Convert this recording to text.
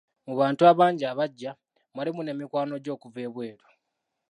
Mu bantu abangi abajja, mwalimu ne mikwano gye okuva e bweru.